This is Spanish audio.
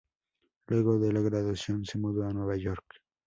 Luego de la graduación se mudó a Nueva York.